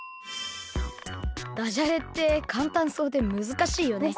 ダジャレってかんたんそうでむずかしいよね。